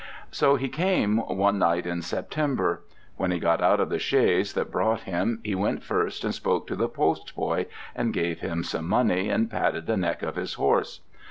So he came, one night in September. When he got out of the chaise that brought him, he went first and spoke to the postboy and gave him some money, and patted the neck of his horse.